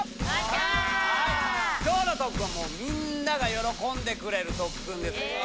今日の特訓もみんなが喜んでくれる特訓です。